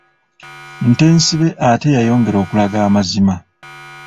Ntensibe ate yayongera okulaga amazima.